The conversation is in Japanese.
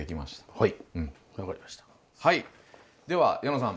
はい。